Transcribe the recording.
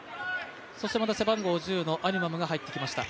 背番号１０のアニマムが入ってきました。